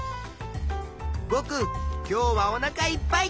ぼく今日はおなかいっぱい！